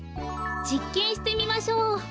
じっけんしてみましょう。